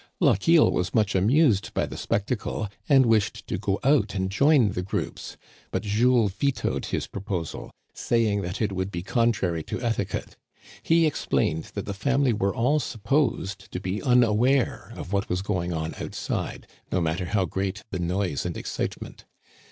Lochiel was much amused by the spectacle, and wished to go out and join the groups, but Jules vetoed his proposal, saying that it would be contrary to etiquette. He explained that tfce family were all supposed to be unaware of what was going on outside, no matter how great the noise and excitement.